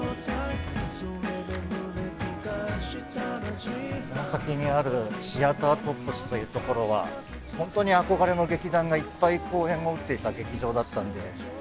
この先にあるシアタートップスという所はホントに憧れの劇団がいっぱい公演を打っていた劇場だったんで。